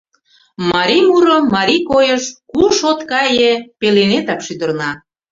Марий муро, марий койыш — куш от кае, пеленетак шӱдырна.